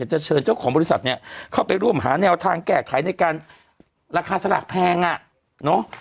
จะเชิญเจ้าของบริษัทเนี่ยเข้าไปร่วมหาแนวทางแก้ไขในการราคาสลากแพงอ่ะเนาะ